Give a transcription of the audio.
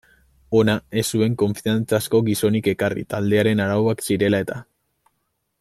Hona ez zuen konfiantzazko gizonik ekarri taldearen arauak zirela eta.